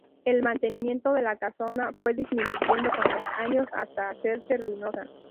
El mantenimiento de la casona fue disminuyendo con los años, hasta hacerse ruinosa.